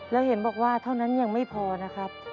แล้วเห็นบอกว่าเท่านั้นยังไม่พอนะครับ